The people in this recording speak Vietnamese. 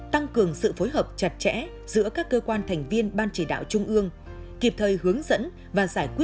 tăng cường sự phối hợp chặt chẽ giữa các cơ quan thành viên ban chỉ đạo trung ương